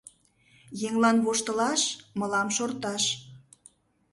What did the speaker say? Еҥлан — воштылаш мылам — шорташ.